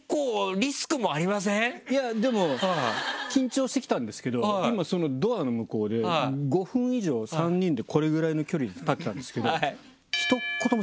いやでも緊張して来たんですけど今そのドアの向こうで５分以上３人でこれぐらいの距離で立ってたんですけど。